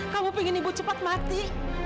kamu ingin ibu cepat mati